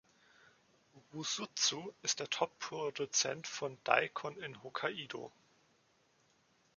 Rusutsu ist der Top-Produzent von Daikon in Hokkaido.